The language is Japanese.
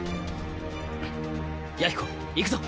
弥彦行くぞ！